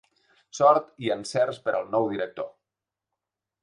“Sort i encerts per al nou director”